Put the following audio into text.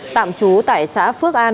tạm trú tại xã phước an